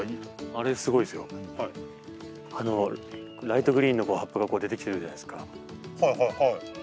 ライトグリーンの葉っぱが出てきてるじゃないですか？